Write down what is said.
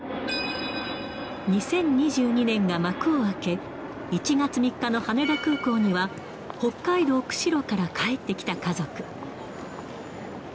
２０２２年が幕を開け、１月３日の羽田空港には、北海道釧路から帰ってきた家族。